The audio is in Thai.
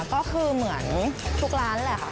ก็คือเหมือนทุกร้านแหละค่ะ